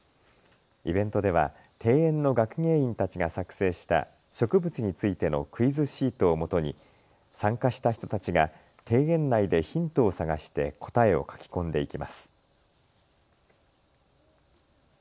イベントでは庭園の学芸員たちが作成した植物についてのクイズシートをもとに参加した人たちが庭園内でヒントを探して答えを書き込んでいきます。